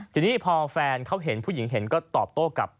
ทีนี้พอแฟนเขาเห็นผู้หญิงเห็นก็ตอบโต้กลับ